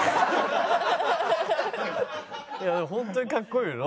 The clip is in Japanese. でもホントにかっこいいよな。